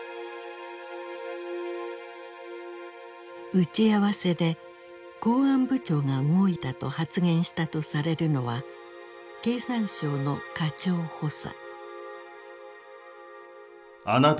打ち合わせで「公安部長が動いた」と発言したとされるのは経産省の課長補佐。